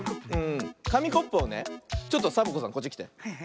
かみコップをねちょっとサボ子さんこっちきて。